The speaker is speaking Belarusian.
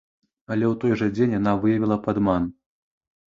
Але ў той жа дзень яна выявіла падман.